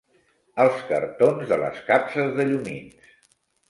Els cartons de les capses de llumins.